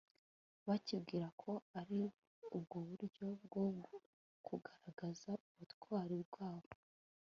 bakibwira ko ari bwo buryo bwo kugaragaza ubutwari bwabo